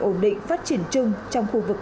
ổn định phát triển chung trong khu vực